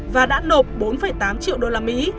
và đã nộp bốn tám triệu đô la mỹ